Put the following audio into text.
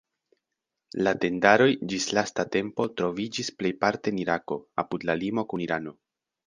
La tendaroj ĝis lasta tempo troviĝis plejparte en Irako, apud la limo kun Irano.